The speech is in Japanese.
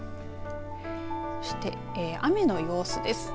そして雨の様子です。